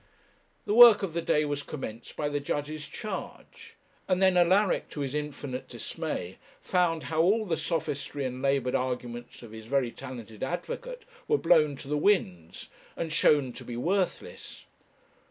The work of the day was commenced by the judge's charge, and then Alaric, to his infinite dismay, found how all the sophistry and laboured arguments of his very talented advocate were blown to the winds, and shown to be worthless.